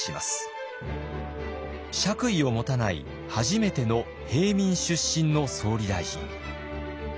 爵位を持たない初めての平民出身の総理大臣。